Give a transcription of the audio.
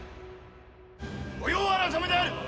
御用改めである！